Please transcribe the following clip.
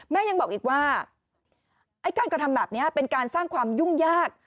ยังบอกอีกว่าไอ้การกระทำแบบนี้เป็นการสร้างความยุ่งยาก